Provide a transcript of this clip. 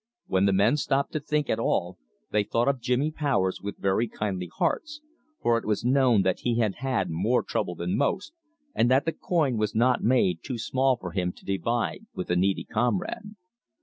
When the men stopped to think at all, they thought of Jimmy Powers with very kindly hearts, for it was known that he had had more trouble than most, and that the coin was not made too small for him to divide with a needy comrade.